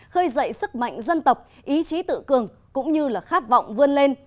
khơi dậy sức mạnh dân tộc ý chí tự cường cũng như khát vọng vươn lên